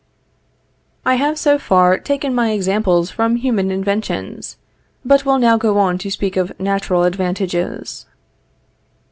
] I have so far taken my examples from human inventions, but will now go on to speak of natural advantages.